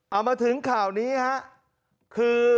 เอามาถึงข่าวนี้คือ